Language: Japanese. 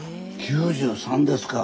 ９３ですか。